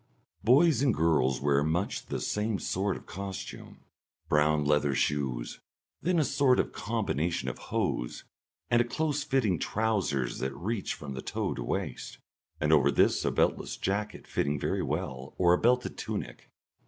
Boys and girls wear much the same sort of costume brown leather shoes, then a sort of combination of hose and close fitting trousers that reaches from toe to waist, and over this a beltless jacket fitting very well, or a belted tunic.